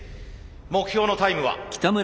目標のタイムは？